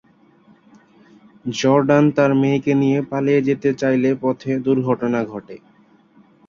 Jordan তার মেয়েকে নিয়ে পালিয়ে যেতে চাইলে পথে দুর্ঘটনা ঘটে।